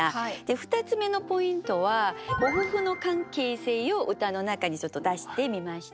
２つ目のポイントはご夫婦の関係性を歌の中にちょっと出してみました。